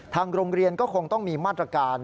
ทางโรงเรียนก็คงต้องมีมาตรการ